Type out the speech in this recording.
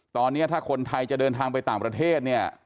ตอนนี้ถ้าคนไทยจะเดินทางไปต่างประเทศเนี่ย